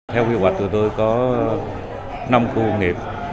theo quy hoạch của tôi có năm khu nghiệp